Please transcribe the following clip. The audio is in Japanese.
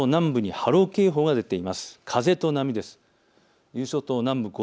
伊豆諸島南部に波浪警報が出ています。